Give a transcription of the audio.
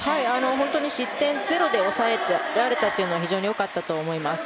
本当に失点ゼロで抑えられたというのは非常に大きかったと思います。